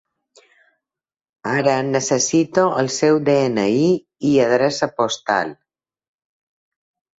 Ara necessito el seu de-ena-i i adreça postal.